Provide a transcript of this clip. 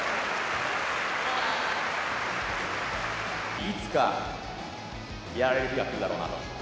いつか、やられる日が来るだろうなと。